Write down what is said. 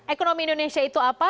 ekonomi indonesia itu apa